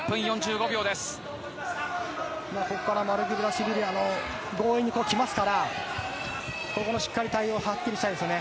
ここからマルクベラシュビリは強引に来ますからここも、しっかり対応はっきりしたいですね。